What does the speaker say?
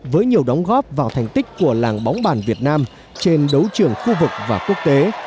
với nhiều đóng góp vào thành tích của làng bóng bàn việt nam trên đấu trường khu vực và quốc tế